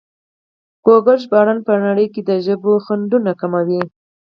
ګوګل ژباړن په نړۍ کې د ژبو خنډونه کموي.